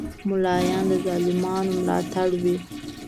مولایان د ظالمانو ملاتړ وی